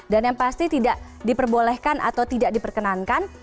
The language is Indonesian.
dan yang pasti tidak diperbolehkan atau tidak diperkenankan